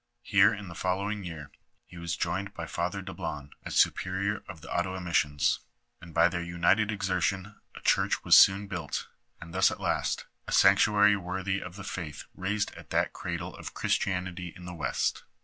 Here, in the following year, he was joined by Father Dablon, as superior of the Ottawa missions, and by their united exertion, a church was soon built ; and thus, at last, a sanctuary woithy of the faith raised at that cradle of Christianity in the west.